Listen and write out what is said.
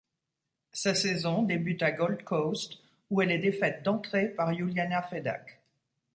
Sa saison débute à Gold Coast où elle est défaite d’entrée par Yuliana Fedak.